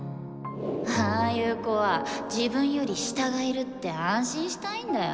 ああいう子は自分より下がいるって安心したいんだよ。